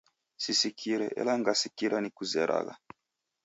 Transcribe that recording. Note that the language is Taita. Sisikire ela ngasikira nikuzeragha.